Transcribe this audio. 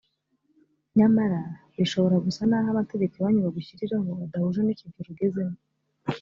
nyamara bishobora gusa n aho amategeko iwanyu bagushyiriraho adahuje n ikigero ugezemo